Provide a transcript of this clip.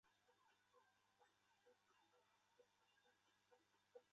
意大利古城赫库兰尼姆遗址中有一幅壁画中画了松乳菇。